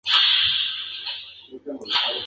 Es difícil de lograr.